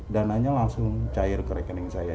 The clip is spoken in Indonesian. dananya langsung cair ke rekening saya